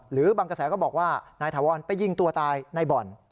หรือบางกระแสก็บอกว่านายถาวรไปยิงตัวตายในบ่อน